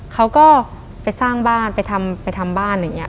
เขาก็ไปสร้างบ้านไปทำบ้านอย่างนี้